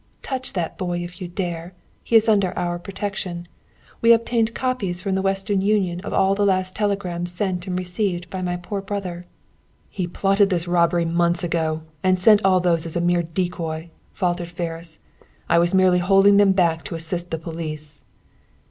Touch that boy if you dare! He is under our protection! We obtained copies from the Western Union of all the last telegrams sent and received by my poor brother." "He plotted this robbery months ago, and sent all those as a mere decoy," faltered Ferris. "I was merely holding them back to assist the police."